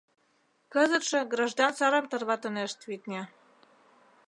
Кызытше граждан сарым тарватынешт, витне.